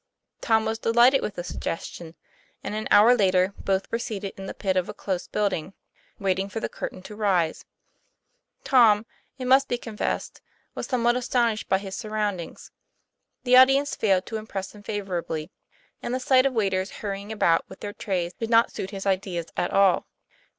Tom was delighted with the suggestion, and an hour later both were seated in the pit of a close building, waiting for the curtain to rise. Tom, it must be confessed, was somewhat aston TOM PLA YFAIR. 133 ished at his surroundings. The audience failed to impress him favorably ; and the sight of waiters hurry ing about with their trays did not suit his ideas at all.